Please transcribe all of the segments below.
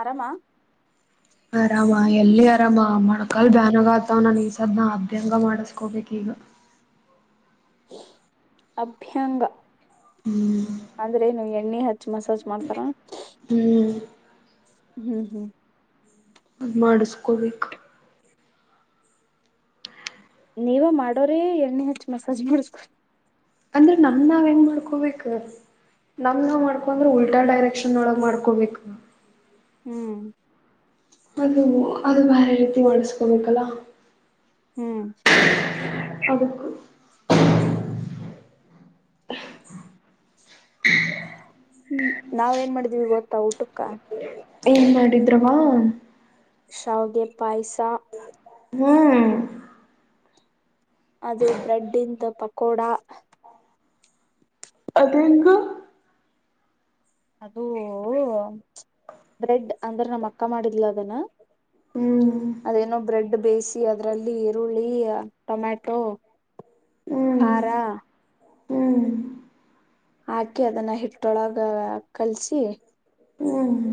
ಆರಾಮಾ ಹ್ಮ ಆರಾಮ ಎಲ್ಲಿ ಆರಾಮ ಮಾಡ ಕಾಣಬಾನೆ ಆತವ್ ನಾನ ಈ ಸದ್ನ ಅಭ್ಯಂಗ ಮಾಡಿಸಕೋಬೇಕ ಈಗ ಅಭ್ಯಂಗ ಹ್ಮ್ ಅಂದ್ರೆನು ಎಕ್ ನಿ [unintelligible] ಹೆಚ್ಚ ಮಸಾಜ್ ಮಾಡ್ತಾರ ಹ್ಮ್ ಹ್ಮ್ ಹ್ಮ್ ಅದು ಮಾಡಿಸ್ಕೋಬೇಕು ನೀವ ಮಾಡೋರ ಎಣ್ಣೆ ಹಚ್ಚ ಮಸಾಜ್ ಮಾಡಿಸ್ಕೊ ಅಂದ್ರೆ ನಮ್ ನಾವ ನ್ ಮಾಡ್ಕೊಬೇಕ ನಮ್ ನಾವ್ ಮಾಡ್ಕೊಂದ್ರೆ ಉಲ್ಟಾ ಡೈರೆಕ್ಷನ್ ಒಳಗ್ ಮಾಡ್ಕೊಬೇಕ ಹ್ಮ್ ಅದು ಅದು ಬಾರಿ ರೀತಿ ಮಾಡಿಸಕೋಬೇಕಲ್ಲ ಹ್ಮ್ ಅದಕ್ [unintelligible] ಹ್ಮ್ ನಾವ ಏನ್ ಮಾಡಿದೀವಿ ಗೊತ್ತಾ ಊಟಕ್ಕ ಏನ್ ಮಾಡಿದ್ರಮಾ ಸೌಗೆ ಪಾಯಸ ತ ಹ್ಮ್ ಅದು ಬ್ರೆಡ್ ಇಂದ ಪಕೋಡಾ ಅದೆಂಗು ಅದೂ ಬ್ರೆಡ್ ಅಂದ್ರ ನಮ ಅಕ್ಕ ಮಾಡಿದ್ಲ ಅದನ ಹ್ಮ್ ಅದೇನೋ ಬ್ರೆಡ್ ಬೇಯಿಸಿ ಅದ್ರಲ್ಲಿ ಈರುಳ್ಳಿ ಟೊಮ್ಯಾಟೊ ಹ್ಮ್ ಕಾರ ಹ್ಮ್ ಹಾಕಿ ಅದನ್ನ ಹಿಟ್ಟೊಳಗ ಕಲ್ಸಿ ಹ್ಮ್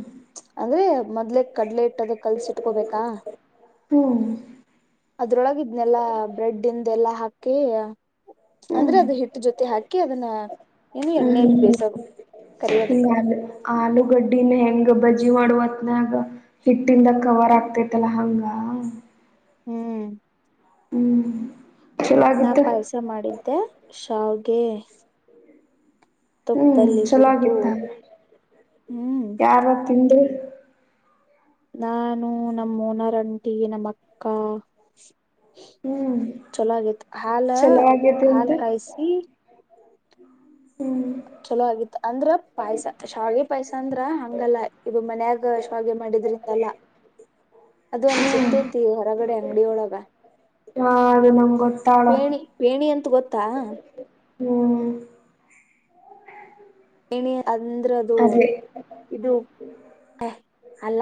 ಅಂದ್ರೆ ಮೊದ್ಲೆ ಕಡ್ಲೆ ಇಟ್ಟಾಗ ಕಲ್ಸಿಟ್ಕೋಬೇಕಾ ಹ್ಮ್ ಸಯ ಹ್ಮ್ ಏನು ಎಣ್ಣೆಯಲ್ಲಿ ಬೇಸೋದು ಕರಿಯೋದು ಹ್ಮ್ ಹ ಆಲೂಗಡ್ಡಿನ ಹೆಂಗ ಬ ಅಜಿ ಮಾಡುವತ್ನಗ ಹಿಟ್ಟಿಂದ ಕವರ್ ಆಗ್ತೇತಲ್ಲ ಹಂಗ ಹ್ಮ್ ಹ್ಮ್ ಚಲೋ ನಾ ಆಗಿತ್ತ ಪಾಯಸ ಮಾಡಿದ್ದೆ ಶಾವಗೆ ಹ್ಮ್ ಚಲೋಗಿತ್ತ ಹ್ಮ್ ಯಾರ ತಿಂದ್ರರು [inaudible] ನಾನು ನಮ್ಮನರಂಟಿ ನಮ್ಮ ಅಕ್ಕ ಹ್ಮ್ ಚಲಾಗಿತ್ತು ಹಾಲ ಚಲೋ ಆಗೇತಿ ಅಂತ ಹಾಲ್ ಕಾಯಿಸಿ ಹ್ಮ್ ಚಲೋ ಆಗಿತ್ತು ಅಂದ್ರ ಪಾಯ್ಸ ಶಾಗೆ ಪಾಯ್ಸ ಅಂದ್ರ ಹಂಗಲ್ಲ ಇವ ಮನ್ಯಾಗ ಶಾಗೆ ಮಾಡಿದ್ರಿಂದಲ್ಲ ಅದು ಒಂದ್ ಸಿಗ್ತೈತಿ ಹೊರಗಡೆ ಅಂಗಡಿಯ ಒಳಗ ಹ ಅದು ನಮ್ಗ್ ಗೊತ್ತಾಳ ಪೇಣಿ ಪೇಣಿ ಅಂತ ಗೊತ್ತ ತ್ತಾ ಹ್ಮ್ ಇನ ಅಂದ್ರದು ಅದೇ ಇದು ಅಲ್ಲ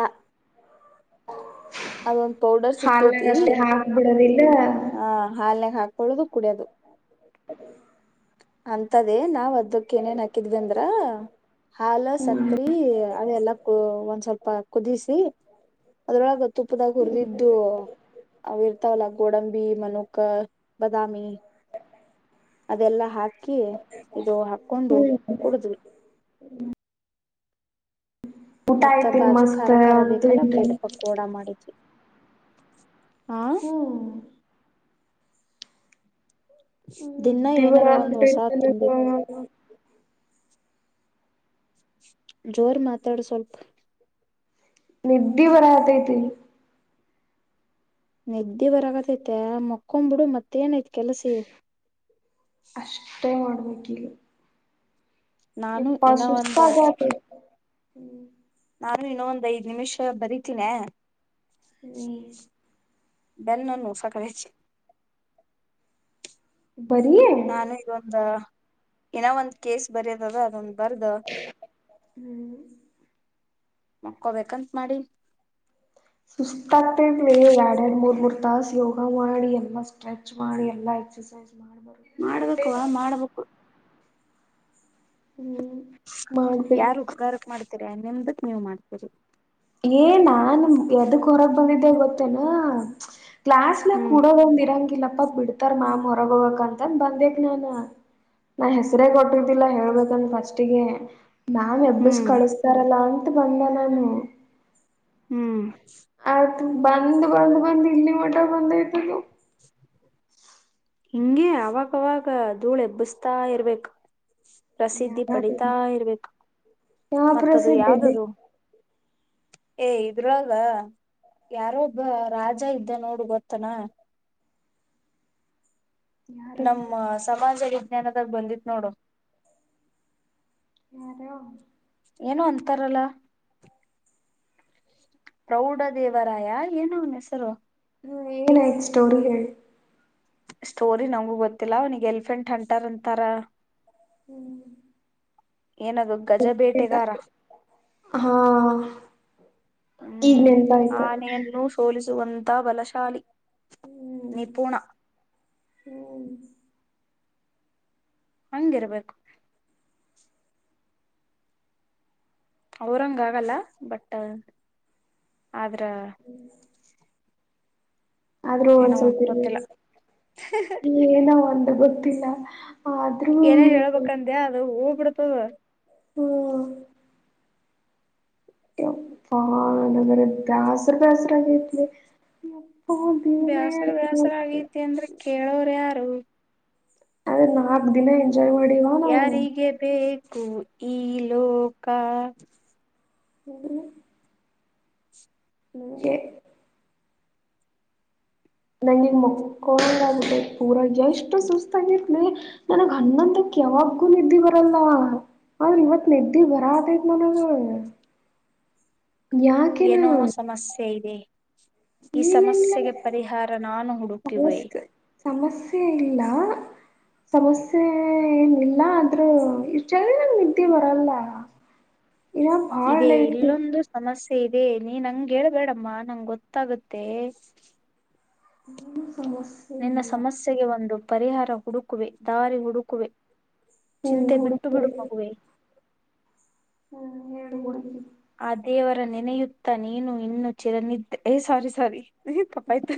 ಹೌ ಅದೊಂದ್ ಪೌಡರ್ ಸಿಕ್ತತಿ ಹಾಕ್ ಬಿಡೋದಿಲ್ಲ ಆ ಹಾಲನೆಾಗ ಹಾ ಒೊಳುದು ಕೂಡದು ಅದ ಅಂತದೇ ನಾವ್ ಅದ ಅಕ್ಕೆ ಏನೇನ್ ಹಾಕಿದ್ವಿ ಅಂದ್ರ ಹಾಾಲ ಸಕರೆ ಅದೆಲ್ಲ ಒಂದ್ ಸ್ವಲ್ಪ ಕುುದ ಅದ್ರೊಳಗೆ ತುಪ್ಪದಾಗ ಹುರಿದಿದ್ದು ಅವ ಇರ್ತಾವಲ್ಲ ಗೋಡಂಬಿ ಮಲಕ ಬಾದಾಮಿ ಅದೆಲ್ಲಾ ಹಾಕಿ ಇದು ಹಾಕ್ಕೊಂಡು ಕುಡಿದ್ವಿ ಹ್ಮ ಮತ್ತ ಬಾಜು ಮಸ್ತ್ ಖಾರ ಖಾರ ಅಂತೂ ಬೇಕಲ್ವಾ ಇಂತೂ ಬ್ರೆಡ್ ಪಕೋಡಾ ಮಾಡಿದ್ವಿ ಹಾ ಹ್ಮ್ ಹ್ಮ್ ದಿನ ಇದ್ದೀಿವ ಏನಾರ ಒಂದ್ ಆಗ್ಬಿಟ್ರಿ ಹೊಸ ನನ ತಿನ್ಬೇಕು ಜೋರ್ ಮಾತಾಡು ಸ್ವಲ್ಪ ನಿದ್ದಿ ಬರಹತೆತ್ತಿ ನದ್ದೆ ಬರಾಗತೈತೆ ಮಕ್ಕೊ್ಬಿಡು ಮತ್ತ ಏನ ಐತಿ ಅಷ್ಟೇ ಹಕಿಲಾ ನಾನು ಇನವಂದ ಹ್ಮ್ ನಾನು ಇನ್ನೊ ಒಂದ್ ಐದ್ ನಿಮಿಷ ಬರತೀನೀಯ ಅ [inaudible] ಬೆನ್ನುನುಸಾಕ್ರಿಸಿ ಬರಿ ನಾನು ಇದೊಂದ ಏನೋ ಒಂದ್ ಕೇಸ್ ಬರೋದ ಅದ ಅದೊಂದು ಹ್ಮ್ ಮಕ್ಕೊಬೇಕಂತ ಮಾಡಿ ಮುರ್ತಾಸ ಯೋಗ ಮಾಡಿ ಎಲ್ಲಾ ಸ್ಟ್ರೆಚ್ ಮಾಡಿ ಎಲ್ಲಾ ಎಕ್ಸಸೈಸ್ ಮಾಡ್ಬಾರ ಮಾಡ್ಬೇಕುವ ಮಾಡ್ಬೇಕು ಹ್ಮ್ ಯಾರು ಮಾಡ್ಬೇಕ ಉಪಕಾರಾರಕ್ ಮಾಡ್ತೀರ ನಿಮ್ದಕ್ ನೀವ್ ಮಾಡ್ತೀರಿ ಏ ನಾನು ಎದಕ್ ಹೊರಗ್ ಬಂದಿದ್ದೆ ಗೊತ್ತೇನಾ [inaudible] ಕ್ಲಾಸ್ ನ ಹ್ಮ್ ಕೂಡೋದೊಂದ್ ಇರಂಗಿಲ್ಲ ಪಾ ಬಿಡ್ತಾರ ಮ್ಯಾಮ್ ಹೊರಗ ಹೋಗಕ್ ಅಂತಂದ ಬಂದಕ್ ನನ್ ನಾ ಹೆಸರೇ ಕೊಟ್ಟಿದ್ದಿಲ್ಲಾ ಹೇಳ್ಬೇಕಂದ ಫಸ್ಟಿಗೆ ಮಾಮ್ ಎಬ್ಬಸ್ ಹ್ಮ್ ಕಳಿಸಸ್ತಾರಲ್ಲ ಮತ್ತ ಬಂದೇ ನಾನು ಹ್ಮ್ ಮ ಬಂದ್ ಬಂದ್ ಬಂದ್ ಇಲ್ಲಿ ಮಟ ಬಂದ್ ಬಂದಿದ್ಲು ಹಿಂಗಗೆ ಅವಾಗವಾಗ ಧೂಳ ಹೆಬ್ಬಸ್ತ ತಾ ಇರ್ಬೇಕು ಪ್ರಸಿದ್ಧಿ ಯಾರದು ಪಡಿತಾ ಇರ್ಬೇಕು ಯಾವ ಮತ್ತದು ಪ್ರಸಿದ್ಧ ಇದೆ ಯಾವ್ದದು ಏ ಇದ್ರಾಗ ಯಾರೊಬ್ಬ ರಾಜ ಇದ್ದ ನೋಡು ಗೊತ್ತನಾ ಯಾರು ನಮ್ಮ ಸಮಾಜದ ವಿದ್ಯಾನದಾಗ ಬಂದಿತ ನೋಡ ಯಾರಯಾವ ಏನು ಅಂತಾರಲ್ಲ ಪ್ರೌಢ ದೇವರಾಯ ಏನ ಅವನ ಹೆಸರು ಹ ಏನಾಯು ಸ್ಟೋರಿ ಹೇಳ ಸ್ಟೋರಿ ನಮಗೂ ಗೊತ್ತಿಲ್ಲ ಅವನಿಗೆ ಎಲಿಫೆಂಟ್ ಅಂಟಾರ್ ಅಂತಾರ ಹ್ಮ್ ಏನದು ಗಜ ಬೇಟೆಗಾರ ಹಾ ಈಗ ನೆನಪಾಯ್ತು ಬಲವಂತ ಬಲಶಾಲಿ ಹ್ಮ್ ನಿಪುಣ ಹ್ಮ್ ಹಂಗಿರ್ಬೇಕು ಅವರಂಗ ಆಗಲ್ಲ ಬಟ್ ಆದ್ರ ಆದ್ರೂ ಏನೋ ಒಂದ್ ಸ್ವಲ್ಪ ಗೊತ್ತಿಲ್ಲ ಇರ್ಬೇಕ ಏನೋ ಒಂದ ಗೊತ್ತಿಲ್ಲ ಆದ್ರೂ ಏನೇನ್ ಹ್ಮ್ ಹೇಳ್ಬೇಕಂದ ಅದು ಹ ಕೊಡತದೆ ಹ್ಮ ಪ್ಪಾನ ಬರ ಬ್ಯಾಸರ ಬ್ಯಾಸರಾಗತಲಿ ಬೇಾಸರ ಬಳ್ಾಸರ ಆಗೈತಿ ಅಂದ್ರೆ ಕೇಳೋರ ಯಾರು ಅದ ನಾಲ್ಕ ದಿನ ಎ ಜಯವಾಡಿವಾ ನಾವು ಯಾರಿಗೆ ಬೇಕು ಈ ಲೋಕ ಹ ಹ್ಮ ನಂಿನ್ ಮಕ್ಕಳಲ್ಲ ಪೂರಾ ಎಷ್ಟು ಸುಸ್ತಾಗಿತ್ಲಿ ನನಗ್ ಹನ್ನೊಂದಕ್ಕೆ ಯಾವಾಗ್ಗೂ ನಿದ್ದಿ ಬರಲ್ಲ ಆದ್ರ ಇವತ್ ನ್ದಿ ಬರದೇತ್ ನನಗ ಯಾಕೆನ ಏನೋ ಸಮಸ್ಯೆ ಇದೆ [inaudible] ಈ ಏನಿಲ್ಲ ಸಮಸ್ಯೆಗೆ ಪರಿಹಾರ ನಾನು ಹುಡುಕಿವೆ ಸಮಸ್ಯೆ ಸಮಸ್ಯೆ ಇಲ್ಲ ಸಮಸ್ಯೆ ಏನಿಲ್ಲ ಆದ್ರೂ ಇಷ್ಟಾಗೆ ನನ್ ನಿದ್ದೆ ಬರಲ್ಲ ಇಾ ಪಾಳ ನೈಟ್ ೇ ನೀ ನಂಗಗೆ ಹೇಳ್ಬೇಡಮ್ಮ ನಂಗೆ ಗೊತ್ತಾಗುತ್ತೆ ಹ್ಮ್ ನಿನ್ನ ಸಮಸ್ಯೆಗೆ ಒಂದು ಪರಿಹಾರ ಹುಡುಕುವೆ ದಾರಿ ಹುಡುಕುವೆ ಹ್ಮ್ ಚಿಂತೆ ಬಿಟ್ಟು ಹುಡುಕಿ ಬಿಡು ಮಗುವೆ ಹ್ಮ್ ಹೇಳಬಡ ಆ ದೇವರ ನೆನೆಯುತ್ತ ನೀನು ಇನ್ನು ಚಿಲನಿದ್ದೆ ಏ ಸಾರಿ ಸಾರಿ ನೀನ ತಪ್ಪಾಯತ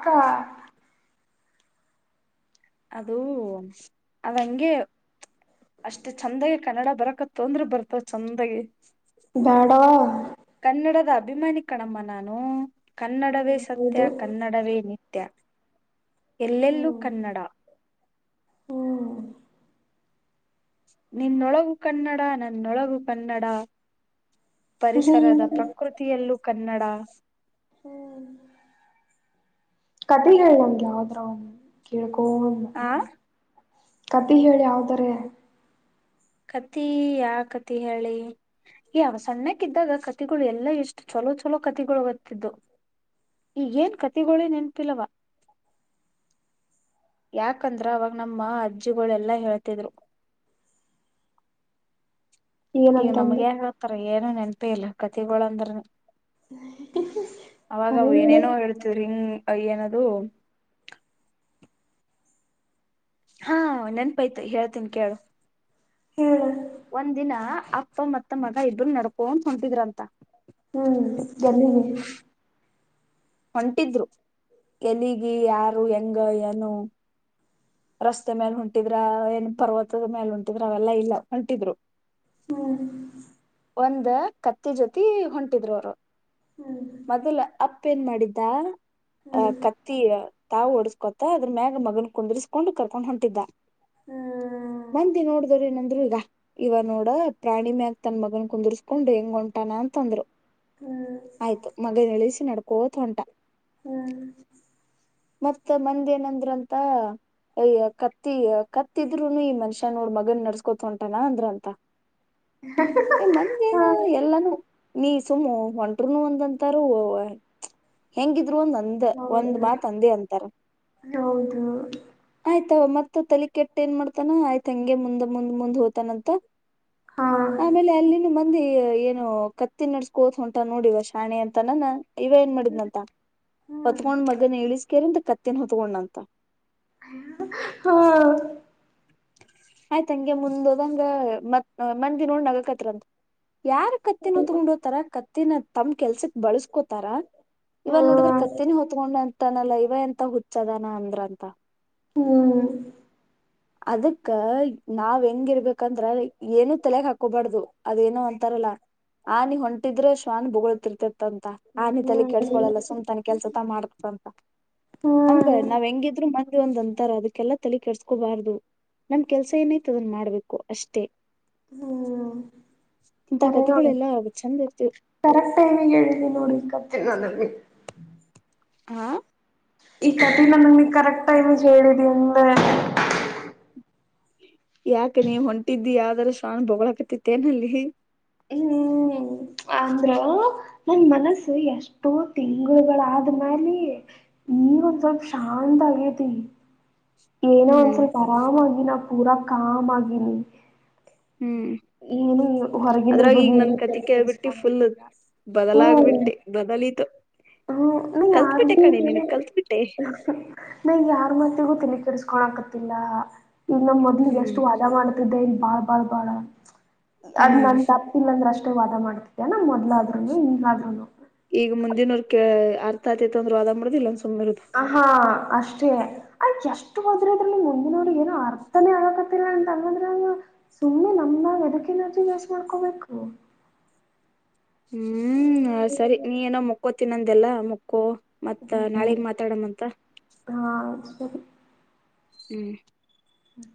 ಹತ್ತ [unintelligible] ಅದು ಆದಂಗೆ ಅಷ್ಟೆ ಚೆಂದ ಕನ್ನಡ ಬರಕತ್ ತೊಂದ್ರ ಬರ್ತಾವ ಚಂದಾಗಿ. ಬ್ಯಾಡವ ಕನ್ನಡದ ಅಭಿಮಾನಿ ಕಣಮ್ಮ ನಾನು ಕನ್ನಡವೇ ಹ್ಮ್ ಸತ್ಯ ಹೌದು ಕನ್ನಡವೇ ನಿತ್ಯ ತ್ಯ ಎಲ್ಲೆಲ್ಲೂ ಕನ್ನಡ. ಹ್ಮ [inaudible] ನಿನ್ನೊಳಗೂ ಕನ್ನಡ ನನ್ನೊಳಗೂ ಕನ್ನಡ. ಹ್ಮ್ ಪರಿಸರದ ಪ್ರಕೃತಿಯಲ್ಲೂ ಕನ್ನಡ ಹ್ಮ್ [inaudible] ಕಥೆಗಳು ನಮ್ಗೆ ಯಾವದ್ರ ಬ್ರೋ ಕೇಳ ಆ [unintelligible] ಕಥೆ ಹೇಳಿ ಯಾವುದರ. ಕಥೆ ಯಾ ಕತಿ ಹೇಳಿ ಈವ ಸಣ್ಣಕ್ಕಿದ್ದಾಗ ಕಥಗಳು ಎಲ್ಲಾ ಎಷ್ಟು ಚಲೋ ಚಲೋ ಕಥಗಳು ಗೋತ್ತಿದ್ದು ಈಗೇನ್ ಕಥೆಗಳೇ ನೆನಪಿಲ್ಲವ. ಯಾಕಂದ್ರ ಅವಾಗ ನಮ್ಮ ಅಜ್ಜಿಗಳೆಲ್ಲಾ ಹೇಳ್ತಿದ್ರು. ಈಗ ನಮ್ಗೆ ಏನಂತಂದ್ರೆ ಏನ್ ಹೇಳ್ತಾರೋ ಏನ್ ನೆನಪೆ ಇಲ್ಲ ಕಥಗಳ ಅಂದ್ರ ಕರೆಯಲೆ ಏನೇನೋ ಹೇಳ್ತಿವ್ರಿ ಹಿಂಗ್ ಏನದು ಹಾ ನೆನಪ ಐತೆ ಹೇಳ್ತೀನೀ ಕೇಳು. ಹೇಳ ಒಂದ ದಿನ ಅಪ್ಪ ಮತ್ತ ಮಗ ಇಬ್ರು ನಡ್ಕೋ ಹೊಂಟಿದ್ರಂತೆ ಹ್ಮ್ ಎಲ್ಲಿಗೆ. ಹೊಂಟಿದ್ರು ಎಲ್ಲಿಗೆ, ಯಾರು ಹೆಂಗ ಏನು? ರಸ್ತೆ ಮ್ಯಾಲ ಹೊಂಟಿದ್ರ ಏನ್ ಪರ್ವ ದೂರ ಮೇಲೆ ಹೊಂಟಿದ್ರಾ ಅವೆಲ್ಲ ಇಲ್ಲ. ಹೋಂಟಿದ್ರು. ಹ್ಮ್ [inaudible] ಒಂದ್ ಕತ್ತಿ ಜೊತಿ ಹೊಂಟಿದ್ರು ಅವರು ಹ್ಮ್ ಮೊದಲ ಆಪ್ [unintelligible] ಪಿನ್ ಏನ್ ಮಾಡಿದ್ದಾ ಅ ಹ್ಮ್ ಕತ್ತಿ ತಾವ ಹೊಡಸ್ ಗೊತ್ತಾ ಅದ್ರ ಮ್ಯಾಗ ಮಗನ್ ಕುಂದರ್ಸ್ಕೊಂಡು ಕರ್ಕೊಂಡ್ ಹೊಂಟಿದ್ದ. ಹ್ಮ್ ಮಂದಿ ನೋಡಿದ್ರ ಏನಂದ್ರರು. ಇವ ನೋಡ ಪ್ರಾಣಿ ಮ್ಯಾ ತನ್ ಮಗನ್ ಕುಂದರ್ಸ್ಕೊಂಡ್ ಹೆಂಗ ಹೊಂಟಾನ ಅಂತಂದ್ರು ಹ್ಮ್ ಹ್ಮ್ ಆಯ್ತು ಮಗ ಹೇಳ ನಡ್ಕೊಂತ ಒರಟ ಹ್ಮ್ ಮತ್ತ ಬಂಧ ಏನಂದ್ರಂತ ಅಯ ಕತ್ತಿ ಕತ್ತಿದ್ರುನು ಮನ್ಷನ್ ನೋಡು ಮಗನ್ ಕುತ್ ಹೊಂಟಾನ ಅಂದ್ರ ಅಂತ ಮಂದೇನ ಹಾ ಎಲ್ಲಾನೂ ನೀ ಸುಮು ಹೊಂಟರುನು ಒಂದಂತಾರ ಹೆಂಗಿದ [unintelligible] ಒಂದಂದ ಒಂದ್ ಹೌದು ಮಾತ್ ಅಂದೇ ಅಂತಾರ ಹೌದು ಆಯ್ತ ಮತ್ ತಲ ಕೆೆಟ್ಟ ಏನ್ ಮಾಡ್ತಾನ ಆಯ್ತ ಹಂಗೆ ಮುಂದ್ ಮುಂದ್ ಮುಂದ್ ಹೋತಾನಂತ ಹಾ ಆಮೇಲೆ ಅಲ್ಲಿನ ಮಂದಿ ಏನು ಕತ್ತಿ ನಡ್ಸ್ಕೋದು ಹೊಂಟ ನೋಡಿವ ಶಾಣೆ ಅಂತ ನಾ ಇವ ಏನ್ ಮಾಡಿದ್ನಂತ ಹ್ಮ್ ಹೋತ್ಕೊಂಡ್ ಮಗನ ಇಳಿಸಿ ಕೇರಿಂದ ಮತ್ತ ಕೊಂಡಂತ ಹ್ಮ ಆಯ್ತ್ ಹಂಗೆ ಮುಂದ್ ಹೋದಂಗ ಮತ್ ಮಂದಿ ನೋಡ್ ನಗ ಕತ್ರಂತ ಯಾರ ಕತ್ತಿನ ತೊಗೊಂಡ್ ಹೋಗ್ತಾರ ತಮ್ಮ್ ಕೆಲ್ಸಕ್ ಬಳಸ ಕೋತಾರ ಇವಾಗ ನೋಡಿದ್ರೆ ಹ್ಮ್ ಕತ್ತೆನ ಹೊತ್ಕೊಂಡ ತನಲ್ಲ ಇವ ಎಂತ ಹುಚ್ಚದಾನ ಅಂದ್ರ ಅಂತ ಹ್ಮ್ ಅದಕ್ಕ ನಾವ್ ಹೆಂಗಿರ್ಬೇಕಂದ್ರ ಏನು ತಲೆಗ್ ಹಾಕೋಬಾರ್ದು ಅದೇನೋ ತರಲ ಆನೆ ಹೊಂಟಿದ್ರೆ ಶ್ವಾನ ಬೋಗಳ್ತಿರ್ತತ ಅಂತ ಆನೆ ತಲಿ ಹ್ಮ್ ಕೆಡಸ್ಕೊಳಲ್ಲ ಸುಮ್ತಾನ ಕೆಲ್ಸತ ಮಾಡ್ತಂತ ಅಂದ ಹ್ಮ್ ನಾವ್ ಹೆಂಗಿದ್ರು ಮ ಇ ಒಂದ್ ಅಂತರ ಅದಕ್ಕೆಲ್ಲ ತಲಿ ಕೆಡಿಸಸ್ಕೋಬಾರ್ದು ನಮ್ ಕೆಲ್ಸ ಏನೈತ ಅದನ್ ಮಾಡ್ಬೇಕು ಅಷ್ಟೇ ಹ್ಮ್ ಇಂತ ಕರ ನೋಡಿ ಕಥೆಗಳೆಲ್ಲಾ ಚಂದ ಇರ್ತಿವ್ ಕರಕ್ಟನೆ ಎಳದ ನೋಡಿ ಕಥೆ ನನಗೆ ಹಾ ಈ ಕಥೇನ ಕಥೇನ ನಮಗೆ ಕರೆಕ್ಟ್ ಟೈಮಿಗೆ ಹೇಳಿದಿ ಅಂದೆ ಯಾಕ ನೀವ್ ಹೊಂಟಿದ್ದಿ ಯಾವ್ದಾರ ಸ್ವಾನ ಬೊಳಾಕತಿತ್ತೇನಲ್ಲಿ ಹ್ಮ್ ಅಂದ್ರ ನನ್ ಮನಸು ಎಷ್ಟೋ ತಿಂಗಳುಗಳಾದ್ಮ್ಯಾಲ ಈಗೊಂದ್ ಸ್ವಲ್ಪ ಶಾಂತ ಆಗತಿ ಏನೋ ಒಂದ ಹ್ಮ್ ಸ್ವಲ್ಪ ಆರಾಮಾಗಿನ ಪೂರಾ ಕಾಮ್ ಆಗನೀ ಹ್ಮ್. ಏನು ಹೊರಗಿಂದ್ರ ಅದ್ರಾಗ ಈಗ ನನ್ ಕತಿ ಕೇಳ್ಬಿಟ್ಟಿ ಫುಲ್ ತಲೆಕೆಡಿಸಿಕೊಂಡಿರಬಾರ್ದು ಹ್ಮ ಬದಲಾಗ್ಬಿಟ್ಟೆ ಬದಲಿತು ಹ್ಮ್ ನ ಕಲ್ತ್ಬಿಟ್ಟೆ ಯಾರ್ಗೂ ಕಣೆ ನೀನು ಏನೆ ಕಲ್ತ್ಬಿಟ್ಟೆ. ಅಹ್ಹ್ ನಾ ಯಾರ್ ಮಾತಿಗೂ ತಲಿಕಿಡಸ್ಕೊಳಾಲಾ ತಿಲ್ಲ ಇನ್ನು ಮೊದ್ಲಿಗೆ ಹ್ಮ್ ಎಷ್ಟು ವಾದ ಮಾಡ್ತಿದ್ದೇ ಬಾಳ್ ಬಾಳ್ ಬಾಳ ಅದ್ ಹ್ಮ್ ನನ್ ತಪ್ಪಿಲ್ಲ ಅಂದ್ರೆ ಟೆ ವಾದ ಮಾಡ್ತಿದ್ದೆ ನಾನ್ ಮೊದ್ಲಾದ್ರುನು ಈಗಾದ್ರುನು ಕೇ ಅರ್ಥ ಆತಿತ್ತು ಅಂದ್ರೆ ವಾದ ಮಾಡದು ಇಲ್ಲ ಅಂದ್ ಸುಮ್ ಹ ಹಾ ಅಷ್ಟೇ ಅದ್ ಎಷ್ಟು ಮಾತಾಡಿದ್ರುನು ಮುಂದ್ ನೋಡಿ ಏನೋ ಅರ್ಥನೇ ಆಗಾಕತ್ತಿಲ್ಲ ಅಂತ ಸುಮ್ನೆ ನಮ್ ಬಾಯಲ್ ಎದಕ್ ಎನರ್ಜಿ ವೇಸ್ಟ್ ಮಾಡ್ಕೊಬೇಕು ಹ್ಮ್ ಸರಿ ನೀ ಏನೋ ಮಕ್ಕೋತ್ ತಿನಂದ್ಯಲ್ಲ ಮಕ್ಕೋ ಮತ್ತ ಹ್ಮ್ ನಾಳೆಗ್ ಮಾತಾಡನಂತ ಹಾ [inaudible] ಹ್ಮ್ ಹ್ಮ್